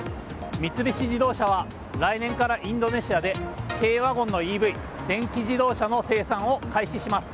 三菱自動車は来年からインドネシアで軽ワゴンのＥＶ・電気自動車の生産を開始します。